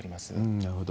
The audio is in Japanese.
なるほど。